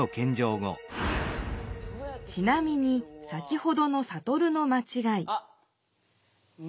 ちなみに先ほどのサトルのまちがい